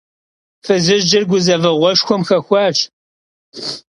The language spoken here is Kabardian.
Fızıjır guzeveğueşşxuem xexuaş.